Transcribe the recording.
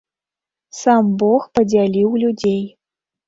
Сам бог падзяліў людзей.